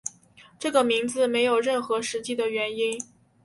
这个名字没有任何实际的原因。